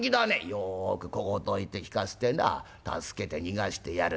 「よく小言を言って聞かしてな助けて逃がしてやる」。